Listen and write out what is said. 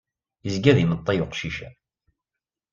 Izga d imeṭṭi uqcic-a.